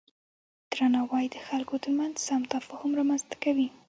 درناوی د خلکو ترمنځ سم تفاهم رامنځته کوي.